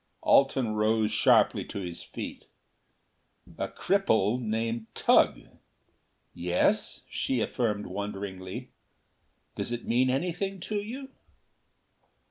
Alten rose sharply to his feet. "A cripple named Tugh?" "Yes," she affirmed wonderingly. "Does it mean anything to you?"